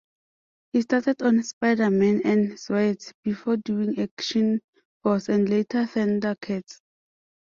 He started on "Spider-Man and Zoids" before doing "Action Force" and later "ThunderCats".